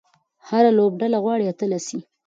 هره لوبډله غواړي اتله سي.